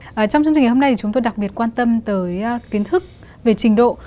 và trong chương trình ngày hôm nay thì chúng tôi đặc biệt quan tâm tới kiến thức về trình độ